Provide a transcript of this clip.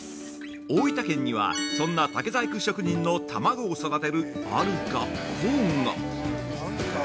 大分県には、そんな竹細工職人の卵を育てるある学校が。